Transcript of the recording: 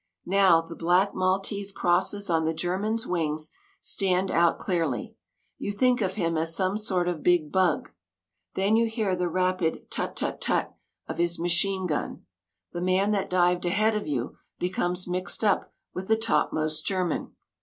Now the black Maltese crosses on the German's wings stand out clearly. You think of him as some sort of big bug. Then you hear the rapid tut tut tut of his machine gun. The man that dived ahead of you becomes mixed up with the topmost German.